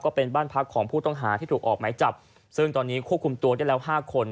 เป็นบ้านพักของผู้ต้องหาที่ถูกออกหมายจับซึ่งตอนนี้ควบคุมตัวได้แล้วห้าคน